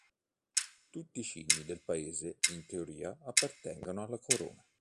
Tutti i cigni del paese, in teoria, appartengono alla Corona.